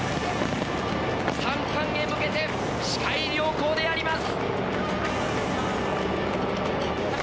三冠へ向けて視界良好であります。